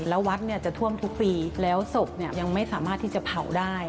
แล้ววัดเนี่ยจะท่วมทุกปีแล้วศพยังไม่สามารถที่จะเผาได้